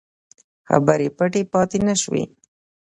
خبرې پټې پاته نه شوې.